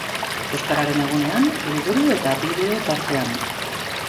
Euskararen egunean, liburu eta bideo tartean.